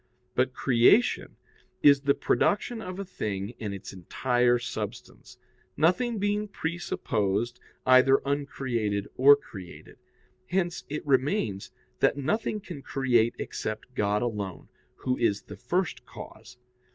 But creation is the production of a thing in its entire substance, nothing being presupposed either uncreated or created. Hence it remains that nothing can create except God alone, Who is the first cause.